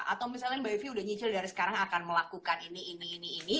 atau misalnya mbak evi udah nyicil dari sekarang akan melakukan ini ini ini ini